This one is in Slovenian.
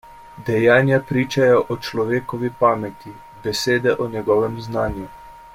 Dejanja pričajo o človekovi pameti, besede o njegovem znanju.